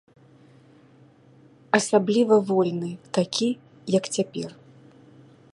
Асабліва вольны, такі, як цяпер.